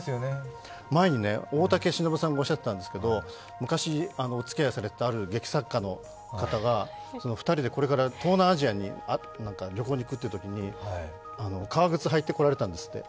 前に大竹しのぶさんがおっしゃってたんですけど、昔、おつきあいされていたある劇作家の方が、２人でこれから東南アジアに旅行に行くというときに革靴を履いてこられたんですって。